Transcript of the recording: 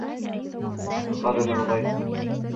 فقال له ضيفه